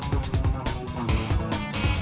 gak ada apa apa